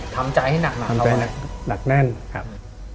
ทำใจให้หนักหนาเยอะจริง